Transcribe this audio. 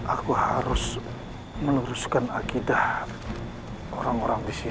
aku harus meneruskan akidah orang orang di sini